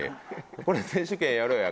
「これ選手権やろうや。